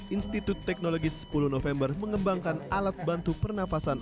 institut teknologi sepuluh november mengembangkan alat bantu pernafasan